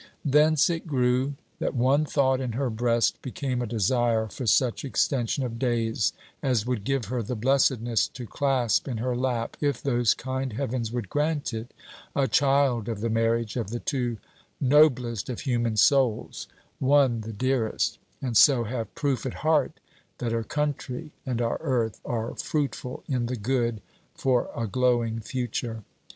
Thence it grew that one thought in her breast became a desire for such extension of days as would give her the blessedness to clasp in her lap if those kind heavens would grant it! a child of the marriage of the two noblest of human souls, one the dearest; and so have proof at heart that her country and our earth are fruitful in the good, for a glowing future.